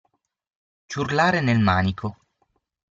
Ciurlare nel manico.